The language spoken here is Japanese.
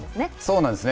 そうなんです。